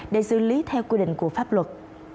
để xử lý theo quy định của pháp luật